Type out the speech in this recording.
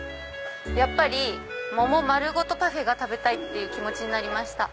やっぱり桃まるごとパフェが食べたい気持ちになりました。